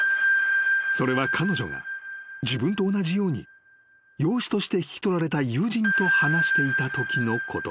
［それは彼女が自分と同じように養子として引き取られた友人と話していたときのこと］